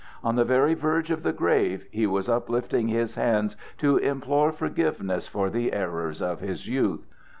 On the very verge of the grave he was uplifting his hands to implore forgiveness for the errors of his youth.